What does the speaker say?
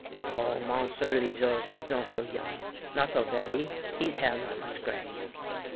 "Oh, Monsieur le Juge ees not so young not so varee hees hair not much gray."